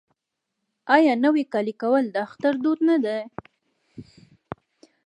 آیا نوی کالی کول د اختر دود نه دی؟